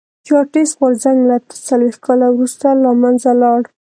چارټېست غورځنګ له اته څلوېښت کال وروسته له منځه لاړ.